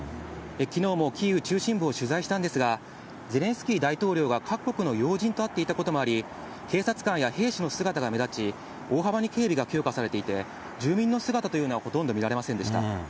きのうもキーウ中心部を取材したんですが、ゼレンスキー大統領が各国の要人と会っていたこともあり、警察官や兵士の姿が目立ち、大幅に警備が強化されていて、住民の姿というのは、ほとんど見られませんでした。